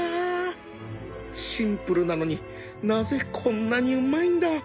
シンプルなのになぜこんなにうまいんだ